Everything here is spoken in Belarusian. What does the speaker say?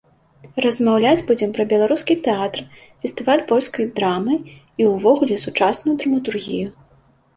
Размаўляць будзем пра беларускі тэатр, фестываль польскай драмы і ўвогуле сучасную драматургію.